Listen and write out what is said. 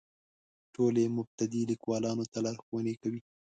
ټول یې مبتدي لیکوالو ته لارښوونې کوي.